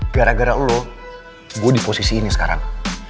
gara gara lo gue di posisi ini sekarang